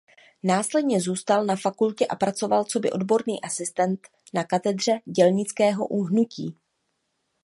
Následně zůstal na fakultě a pracoval coby odborný asistent na katedře dělnického hnutí.